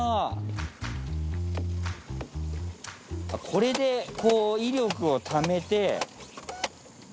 これでこう威力をためて。